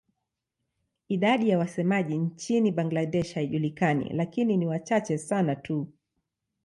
Idadi ya wasemaji nchini Bangladesh haijulikani lakini ni wachache sana tu.